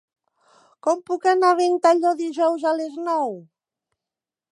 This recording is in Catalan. Com puc anar a Ventalló dijous a les nou?